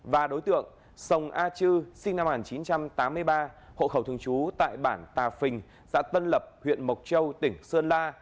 và đối tượng sông a chư sinh năm một nghìn chín trăm tám mươi ba hộ khẩu thường trú tại bản tà phình xã tân lập huyện mộc châu tỉnh sơn la